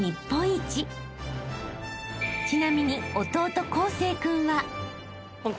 ［ちなみに］